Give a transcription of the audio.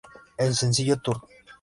El sencillo "Turn!